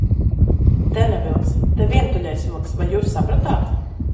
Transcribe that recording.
Dena vilks, te Vientuļais vilks, vai jūs sapratāt?